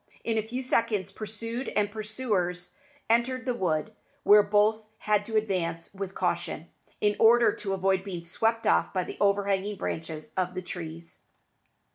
In a few seconds pursued and pursuers entered the wood, where both had to advance with caution, in order to avoid being swept off by the overhanging branches of the trees.